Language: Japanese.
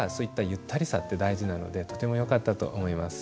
ゆったりさって大事なのでとてもよかったと思います。